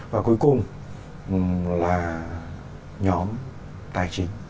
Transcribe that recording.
và cuối cùng là nhóm tài chính